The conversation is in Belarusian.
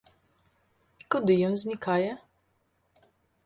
І куды ён знікае?